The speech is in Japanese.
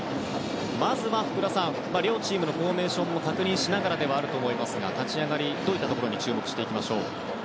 まずは福田さん両チームのフォーメーションも確認しながらですが立ち上がり、どういったところに注目していきましょう。